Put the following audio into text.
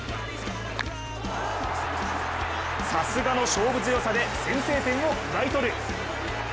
さすがの勝負強さで先制点を奪い取る。